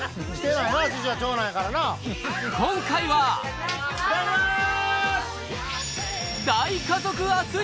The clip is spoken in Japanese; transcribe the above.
今回はいただきます！